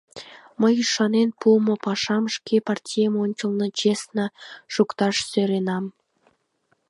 Мый ӱшанен пуымо пашам шке партием ончылно честно шукташ сӧренам.